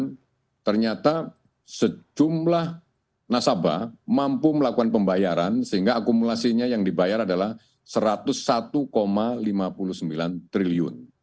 dan ternyata sejumlah nasabah mampu melakukan pembayaran sehingga akumulasinya yang dibayar adalah rp satu ratus satu lima puluh sembilan triliun